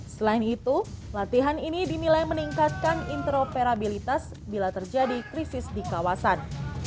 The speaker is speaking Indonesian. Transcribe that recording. selain itu latihan ini dinilai meningkatkan interoperabilitas bila terjadi krisis di kawasan